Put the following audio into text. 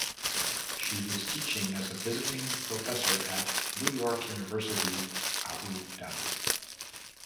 She is teaching as a visiting professor at New York University, Abu Dhabi.